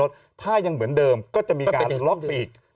ลดลงไหมหรือไม่ลดถ้ายังเหมือนเดิมก็จะมีการล็อกไปอีก